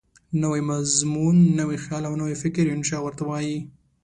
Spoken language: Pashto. نوی مضمون، نوی خیال او نوی فکر انشأ ورته وايي.